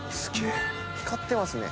光ってますね。